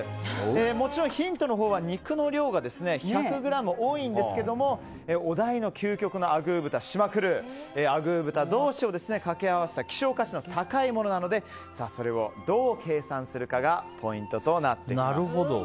もちろんヒントのほうは肉の量が１００ｇ多いんですけどお題の究極のあぐー豚島黒はあぐー豚同士を掛け合わせた希少価値の高いものなのでそれをどう計算するかがポイントとなってきます。